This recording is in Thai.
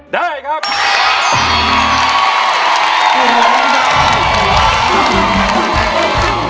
ได้ครับ